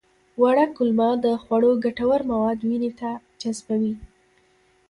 وړه کولمه د خوړو ګټور مواد وینې ته جذبوي